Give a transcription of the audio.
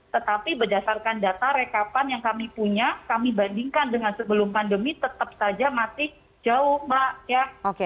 tetapi berdasarkan data rekapan yang kami punya kami bandingkan dengan sebelum pandemi tetap saja masih jauh mbak ya